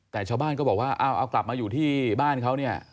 แต่ชาวบ้านก็บอกว่าเอากลับมาอยู่ที่บ้านเขาเนี่ย